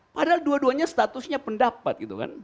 padahal dua duanya statusnya pendapat